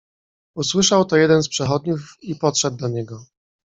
"Usłyszał to jeden z przechodniów i podszedł do niego."